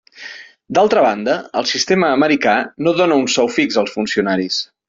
D'altra banda, el sistema americà no dóna un sou fix als funcionaris.